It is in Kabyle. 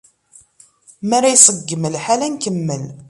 Mi ara iṣeggem lḥal, ad nkemmel.